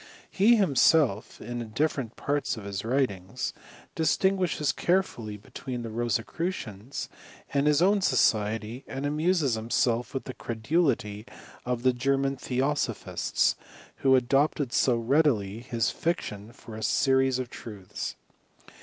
He himself, in different parts of his writings, distinguishes carefully between the Rosecru cians and his own society, and amuses himself with the credulity of the German theosophists, who adopted so readily his fiction for a series of truths.